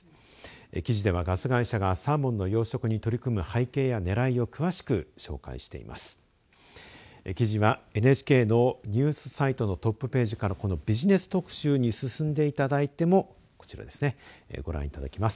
記事ではガス会社がサーモンの養殖に取り組む背景や狙いを詳しく紹介しています。